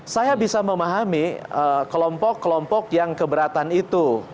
saya bisa memahami kelompok kelompok yang keberatan itu